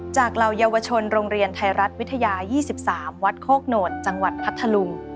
เหล่าเยาวชนโรงเรียนไทยรัฐวิทยา๒๓วัดโคกโหนดจังหวัดพัทธลุง